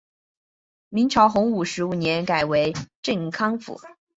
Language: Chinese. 明朝洪武十五年改为镇康府。